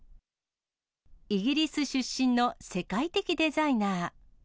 イギリス出身の世界的デザイナー。